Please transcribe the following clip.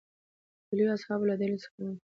د لویو اصحابو له ډلې څخه و.